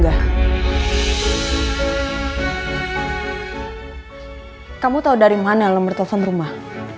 hai kamu tahu dari mana nomor telepon rumah